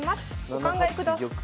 お考えください。